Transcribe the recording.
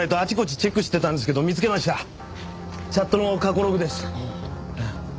チャットの過去ログです。